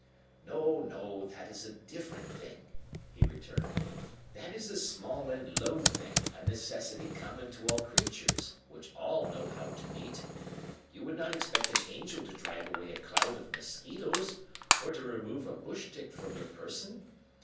"No, no, that is a different thing," he returned. "That is a small and low thing, a necessity common to all creatures, which all know how to meet. You would not expect an angel to drive away a cloud of mosquitoes, or to remove a bush tick from your person.